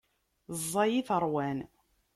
Ẓẓay-it ṛwan.